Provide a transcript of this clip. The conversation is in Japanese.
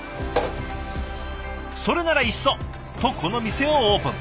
それならいっそ！とこの店をオープン。